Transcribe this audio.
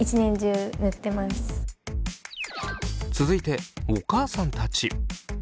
続いてお母さんたち。